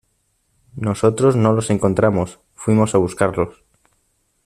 nosotros no los encontramos, fuimos a buscarlos.